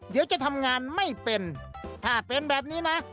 เดี๋ยวจะทำงานไม่เป็นถ้าเป็นแบบนี้นะ